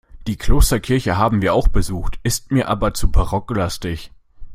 Die Klosterkirche haben wir auch besucht, ist mir aber zu barocklastig.